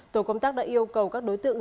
tổ công tác đã yêu cầu các đối tượng